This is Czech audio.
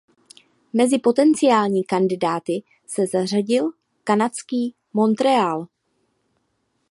Mezi potenciální kandidáty se zařadil i kanadský Montréal.